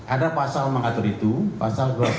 ada pasal mengatur itu pasal dua belas e